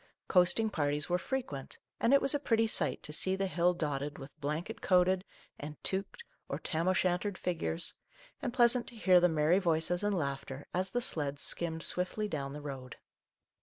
Coasting parties were frequent, and it was a pretty sight to see the hill dotted with blanket coated and toqued or tam o' shantered figures, and pleasant to hear the merry voices and laughter as the sleds skimmed swiftly down the road.